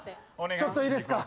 ちょっといいですか？